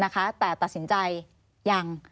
ใครจะตัดสินใจยัง